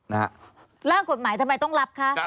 ร่างกฎหมายทำไมต้องรับคะ